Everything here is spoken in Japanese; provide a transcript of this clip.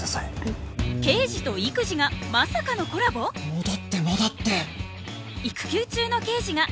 戻って戻って。